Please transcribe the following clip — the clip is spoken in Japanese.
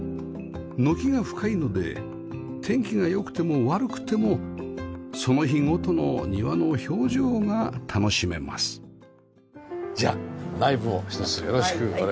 軒が深いので天気が良くても悪くてもその日ごとの庭の表情が楽しめますじゃあ内部をひとつよろしくお願いします。